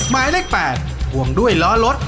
ไม้เลข๘ห่วงด้วยล้อลด